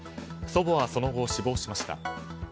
祖母はその後、死亡しました。